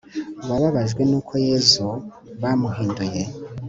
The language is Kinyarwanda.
wababajwe n'uko yezu, bamuhinduye